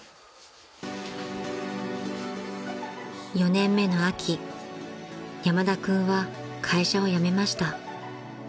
［４年目の秋山田君は会社を辞めました］